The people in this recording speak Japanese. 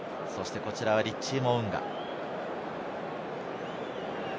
こちらはリッチー・モウンガ。